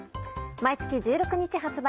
毎月１６日発売。